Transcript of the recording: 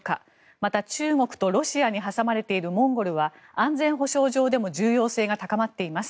また、中国とロシアに挟まれているモンゴルは安全保障上でも重要性が高まっています。